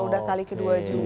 oh ini udah kali kedua juga